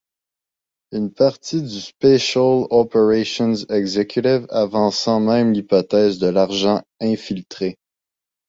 Une partie du Special Operations Executive avançant même l'hypothèse de l'agent infiltré.